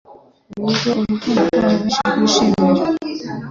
ku buryo urukundo rwabo benshi brwishimira